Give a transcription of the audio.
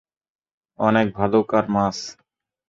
অনেক ভালুক আর মাছ।